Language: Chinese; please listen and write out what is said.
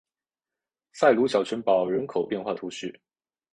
塞鲁小城堡人口变化图示